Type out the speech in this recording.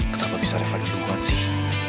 kenapa bisa reva duluan sih